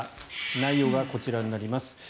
内容がこちらになります。